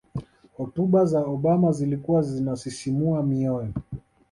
hotuba za obama zilikuwa zinasisimua mioyo